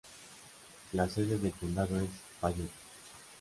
La sede del condado es Payette.